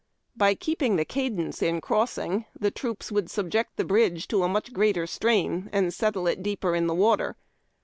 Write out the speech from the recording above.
By keeping the cadence in crossing, the troops would subject the l)ridge to a much greater strain, and settle it deeper in the water.